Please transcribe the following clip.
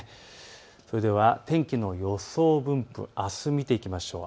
それでは天気の予想分布、あす見ていきましょう。